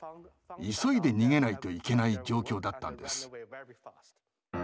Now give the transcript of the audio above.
急いで逃げないといけない状況だったんです。